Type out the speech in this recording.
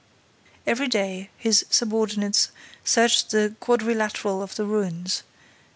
Every day, his subordinates searched the quadrilateral of the ruins.